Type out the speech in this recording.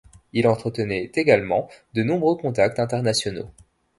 Il entretenait également de nombreux contacts internationaux.